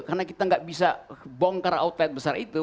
karena kita tidak bisa bongkar outlet besar itu